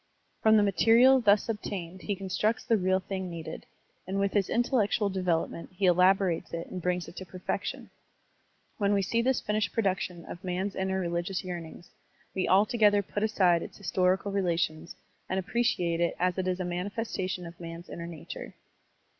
From the material thus obtained he constructs the real thing needed, and with his intellectual development he elabo rates it and brings it to perfection. When we see this finished production of man's inner rel^ious yearnings, we altogether put aside its historical relations and appreciate it as it is as a manifes tation of man's inner nature.